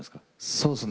そうですね